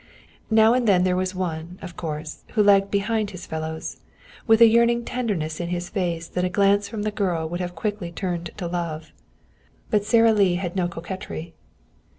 Now and then there was one, of course, who lagged behind his fellows, with a yearning tenderness in his face that a glance from the girl would have quickly turned to love. But Sara Lee had no coquetry.